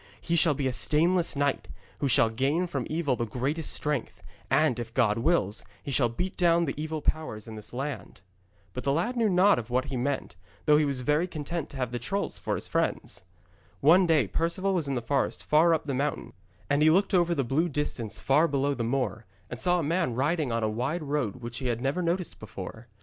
'He shall be a stainless knight, who shall gain from evil the greatest strength, and, if God wills, he shall beat down the evil powers in this land.' But the lad knew not what he meant, though he was very content to have the trolls for his friends. One day Perceval was in the forest far up the mountain, and he looked over the blue distance far below across the moor, and saw a man riding on a wide road which he had never noticed before.